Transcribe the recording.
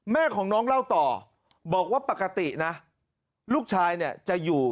แม่ของน้องเล่าต่อบอกว่าปกตินะลูกชายเนี่ยจะอยู่